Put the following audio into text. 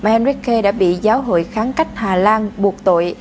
henrique đã bị giáo hội kháng cách hà lan buộc tội